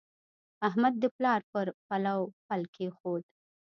احمد د پلار پر پلو پل کېښود.